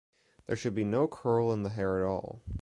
There should be no curl in the hair at all.